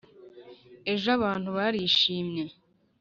ejo abantu barishimye